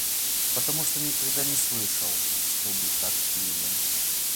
потому что никогда не слышал, чтобы так пели.